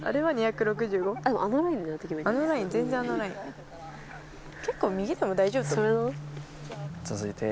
はい。